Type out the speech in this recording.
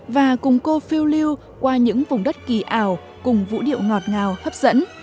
và cùng cô phiêu lưu qua những vùng đất kỳ ảo cùng vũ điệu ngọt ngào hấp dẫn